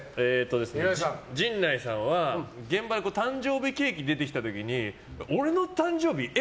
陣内さんは現場で誕生日ケーキ出てきた時に俺の誕生日？え？